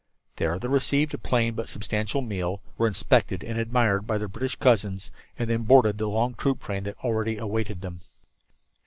There they received a plain but substantial meal, were inspected and admired by their British cousins, and then boarded the long troop train that already awaited them.